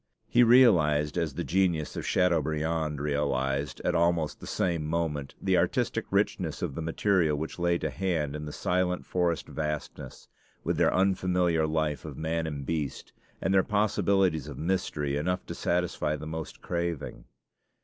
He realized, as the genius of Châteaubriand realized at almost the same moment, the artistic richness of the material which lay to hand in the silent forest vastnesses, with their unfamiliar life of man and beast, and their possibilities of mystery enough to satisfy the most craving.